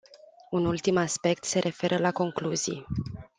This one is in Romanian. Un ultim aspect se referă la concluzii.